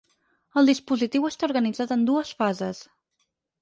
El dispositiu està organitzat en dues fases.